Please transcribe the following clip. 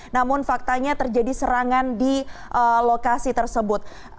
namun faktanya terjadi serangan di lokasi tersebut